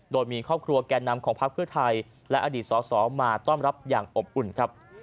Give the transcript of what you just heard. โดยมีครอบครัวแก่นำของพักเพื่อไทยและอดีตสอสอมาต้อนรับอย่างอบอุ่นครับ